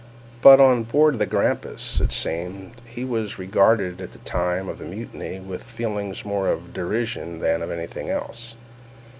But on board the Grampus, it seems, he was regarded, at the time of the mutiny, with feelings more of derision than of anything else.